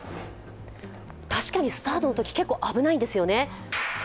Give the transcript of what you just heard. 確かにスタートのとき結構危ないんですよね。